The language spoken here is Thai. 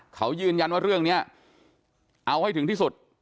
เขายืนยันว่าเรื่องนี้เอาให้ถึงที่สุด